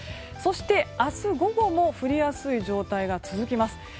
そして、明日午後も降りやすい状態が続きます。